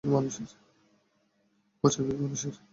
প্রচুর ভিড় মানুষের।